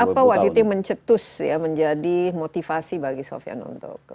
apa waktu itu mencetus ya menjadi motivasi bagi sofian untuk